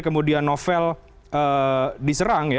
kemudian novel diserang